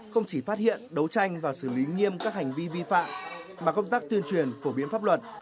không chỉ phát hiện đấu tranh và xử lý nghiêm các hành vi vi phạm mà công tác tuyên truyền phổ biến pháp luật